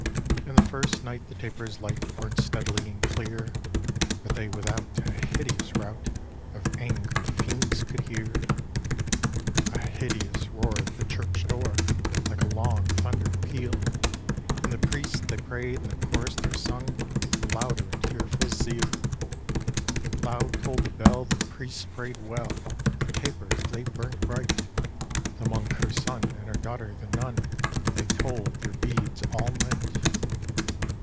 And the first night the tapers' light Burnt steadily and clear, But they without a hideous rout Of angry fiends could hear; A hideous roar at the church door Like a long thunder peal; And the Priests they pray'd, and the Choristers sung Louder in fearful zeal. Loud toll'd the bell, the Priests pray'd well, The tapers they burnt bright, The Monk her son, and her daughter the Nun, They told their beads all night.